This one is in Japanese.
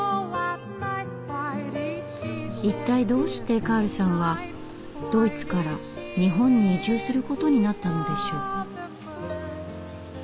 一体どうしてカールさんはドイツから日本に移住することになったのでしょう？